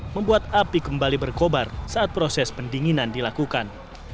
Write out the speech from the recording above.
membuat api kembali berkobar saat proses pendinginan dilakukan